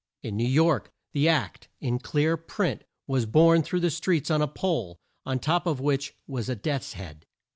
In New York, the Act in clear print was borne through the streets on a pole, on top of which was a death's head.